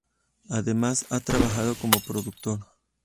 Además, ha trabajado como productor.